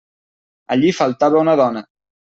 Allí faltava una dona!